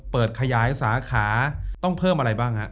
ขยายสาขาต้องเพิ่มอะไรบ้างฮะ